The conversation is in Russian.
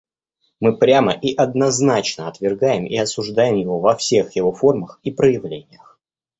Мы прямо и однозначно отвергаем и осуждаем его во всех его формах и проявлениях.